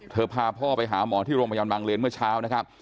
พาพ่อไปหาหมอที่โรงพยาบาลบางเลนเมื่อเช้านะครับ